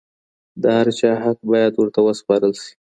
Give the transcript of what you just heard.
د هر چا حق بايد ورته وسپارل سي.